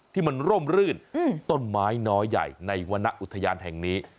ที่มันร่มรื่นต้นไม้น้อยใหญ่ในวรรณอุทยานแห่งนี้